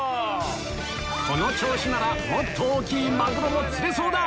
この調子ならもっと大きいマグロも釣れそうだ！